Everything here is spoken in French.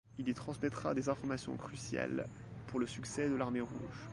Il y transmettra des informations cruciales pour le succès de l'Armée Rouge.